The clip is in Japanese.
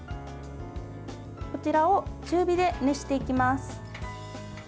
こちらを中火で熱していきます。